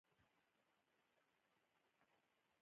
د بندولو لپاره دسیسې کړې وې.